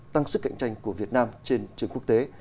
tăng sức cạnh tranh của việt nam trên trường quốc tế